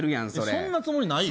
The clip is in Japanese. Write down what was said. そんなつもりないよ。